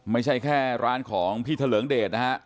ไม่ใช่แค่ร้านของพี่ทะเลิงเดชนะฮะ